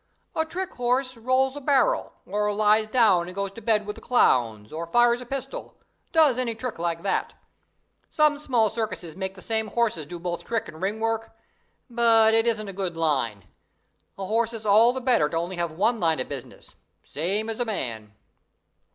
"A trick horse rolls a barrel, or lies down and goes to bed with the clown, or fires a pistol does any trick like that. Some small circuses make the same horses do both trick and ring work, but it isn't a good line. A horse is all the better to have only one line of business same as a man."